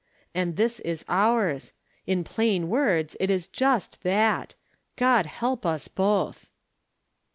And this is ours 1 In plain words it is just that ! God help us both